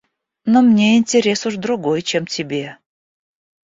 Но мне интерес уж другой, чем тебе.